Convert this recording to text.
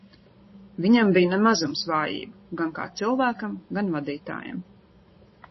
Viņam bija ne mazums vājību - gan kā cilvēkam, gan vadītājam.